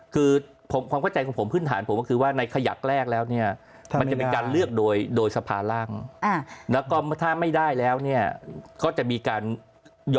คือความเข้าใจของผมคือก็ในขยักแรกแล้วเนี่ย